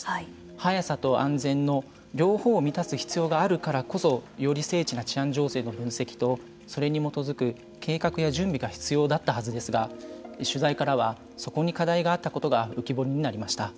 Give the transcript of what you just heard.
早さと安全の両方を満たす必要があるからこそより精緻な治安情勢の分析とそれに基づく計画や準備が必要だったはずですが取材からはそこに課題があったことが浮き彫りになりました。